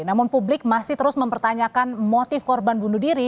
namun publik masih terus mempertanyakan motif korban bunuh diri